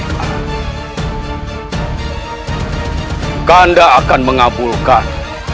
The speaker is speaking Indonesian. kakanda akan mengabulkan